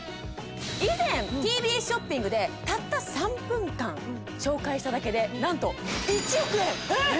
以前ＴＢＳショッピングでたった３分間紹介しただけで何と１億円えっ！？